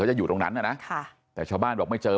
แล้วผมเป็นเพื่อนกับพระนกแต่ผมก็ไม่เคยช่วยเหลือเสียแป้ง